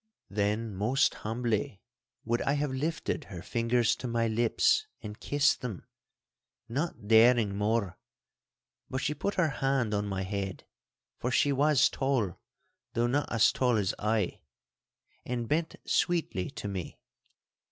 Then most humbly would I have lifted her fingers to my lips and kissed them, not daring more; but she put her hand on my head, for she was tall (though not as tall as I), and bent sweetly to me.